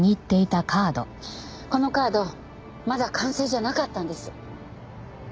このカードまだ完成じゃなかったんです。